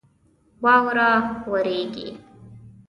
واوره وریږي